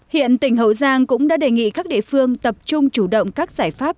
hiện tỉnh hậu giang cũng đã đề nghị các địa phương tập trung chủ động các giải pháp